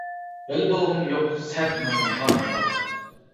بالا بولغۇم يوق سەت مايمۇنغا مانداق.